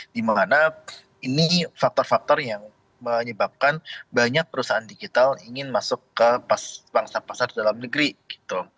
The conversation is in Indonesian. dimana ini faktor faktor yang menyebabkan banyak perusahaan digital ingin masuk ke bangsa pasar dalam negeri gitu